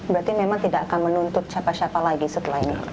berarti memang tidak akan menuntut siapa siapa lagi setelah ini